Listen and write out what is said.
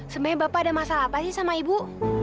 sebenarnya bapak ada masalah apa sih sama ibu